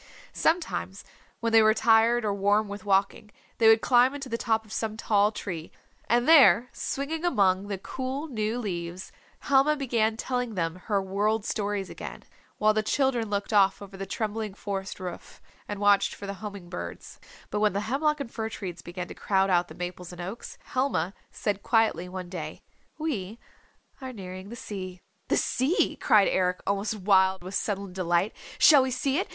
Sometimes when they were tired or warm with walking they would climb into the top of some tall tree, and there swinging among the cool new leaves, Helma began telling them her World Stories again, while the children looked off over the trembling forest roof and watched for homing birds. But when the hemlock and fir trees began to crowd out the maples and oaks, Helma said quietly one day, "We are nearing the sea." "The sea," cried Eric almost wild with sudden delight. "Shall we see it?